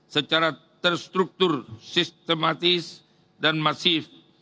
secara terstruktur sistematis dan masif